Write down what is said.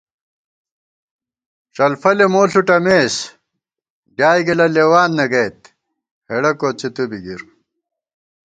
ڄلفَلےمو ݪُٹمېس ڈیائے گِلہ لېوان نہ گَئیت ہېڑہ کوڅی تُو بی گِر